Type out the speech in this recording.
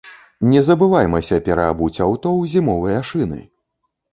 Не забываймася пераабуць аўто ў зімовыя шыны.